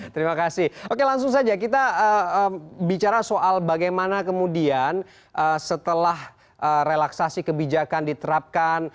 terima kasih oke langsung saja kita bicara soal bagaimana kemudian setelah relaksasi kebijakan diterapkan